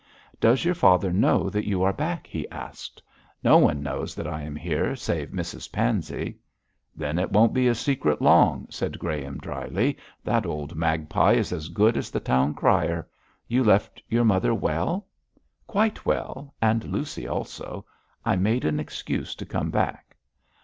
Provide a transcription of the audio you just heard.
'Does your father know that you are back?' he asked. 'No one knows that I am here save Mrs Pansey.' 'Then it won't be a secret long,' said Graham, drily; 'that old magpie is as good as the town crier. You left your mother well?' 'Quite well; and Lucy also. I made an excuse to come back.'